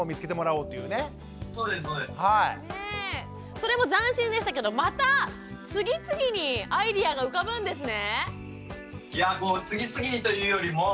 それも斬新でしたけどまた次々にアイデアが浮かぶんですね？